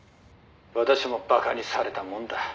「私も馬鹿にされたもんだ」